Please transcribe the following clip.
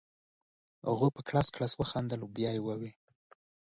هغه په کړس کړس خندل بیا یې وویل.